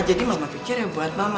jadi mama pikir ya buat mama